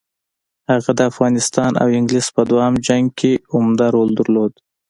هغه د افغانستان او انګلیس په دوهم جنګ کې عمده رول درلود.